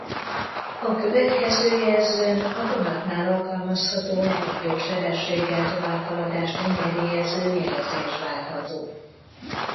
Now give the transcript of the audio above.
A következő jelzőn a vonatnál alkalmazható legnagyobb sebességgel továbbhaladást engedélyező jelzés várható.